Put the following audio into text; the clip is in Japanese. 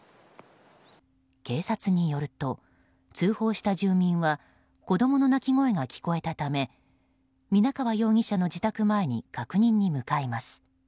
警察によると、通報した住民は子供の泣き声が聞こえたため皆川容疑者の自宅前に確認に向かいます。